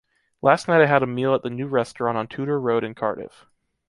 Last night I had a meal at the new restaurant on Tudor Road in Cardiff.